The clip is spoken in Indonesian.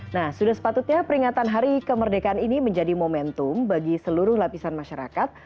nah sudah sepatutnya peringatan hari kemerdekaan ini menjadi momentum bagi seluruh lapisan masyarakat